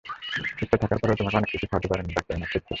ইচ্ছা থাকার পরেও তোমাকে অনেক কিছু খাওয়াতে পারিনি, ডাক্তারের নিষেধ ছিল।